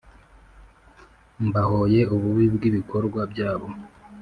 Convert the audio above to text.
mbahoye ububi bw’ibikorwa byabo,